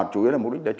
chấn đấu dịch bệnh